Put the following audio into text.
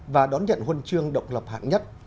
và đón nhận huân chương độc lập hạng nhất